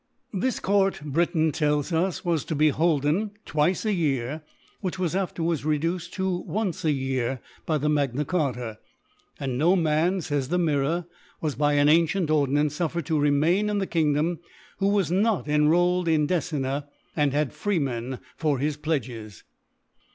This Courts BrUen * t^lls US| was to be holden twice a Year, which was afterwards reduced to once a Year by Magna Cbarta % s^nt} no Man^ fays the Mirror^ was^ by an ancient Ordinance, fufFered to remain in the Kingdom; who was not enrolled in Decenna^ and hijd Freemen for his Pledges f.